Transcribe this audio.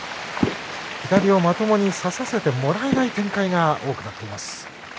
左をまともに差させてもらえない展開が多くなっています。